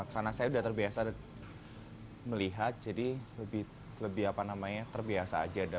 karena saya sudah terbiasa melihat jadi lebih terbiasa saja